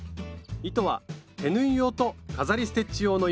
糸は手縫い用と飾りステッチ用の糸